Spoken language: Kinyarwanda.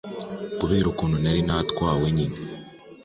Kubera ukuntu nari natwawe nyine